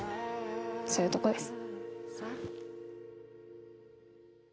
そういうとこです。